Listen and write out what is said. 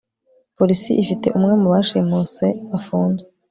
polisi ifite umwe mu bashimuse bafunzwe